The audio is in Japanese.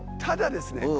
ただですね